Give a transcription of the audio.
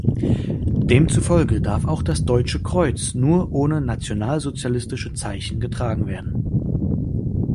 Demzufolge darf auch das Deutsche Kreuz nur ohne nationalsozialistische Zeichen getragen werden.